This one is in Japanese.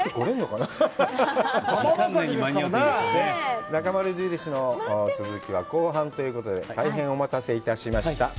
「なかまる印」の続きは後半ということで、大変お待たせいたしました。